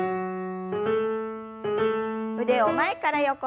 腕を前から横に。